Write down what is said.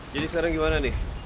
jadi sekarang gimana nih